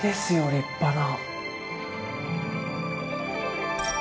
立派な。